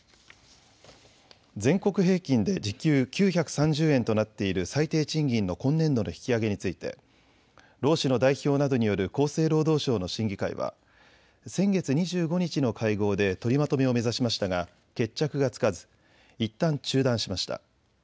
全国平均で時給９３０円となっている最低賃金の今年度の引き上げについて労使の代表などによる厚生労働省の審議会は先月２５日の会合で取りまとめを目指しましたが決着がつかずいったん中断しました。